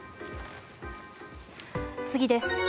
次です。